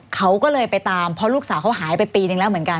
เขาก็เลยไปตามเพราะลูกสาวเขาหายไปปีนึงแล้วเหมือนกัน